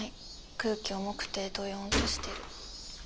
空気重くてどよんとしてる。